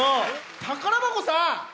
宝箱さん！